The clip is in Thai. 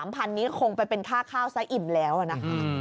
๓พันธุ์นี้คงไปเป็นค่าข้าวไซด์อิ่มแล้วนะ